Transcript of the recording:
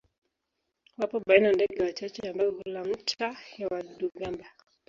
Wapo baina ndege wachache ambao hula nta ya wadudu-gamba.